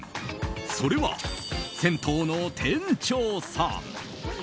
それは銭湯の店長さん。